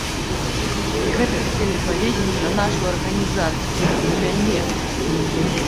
І гэта хацелі павесіць на нашу арганізацыю, на мяне.